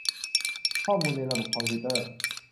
ข้อมูลในระบบคอมพิวเตอร์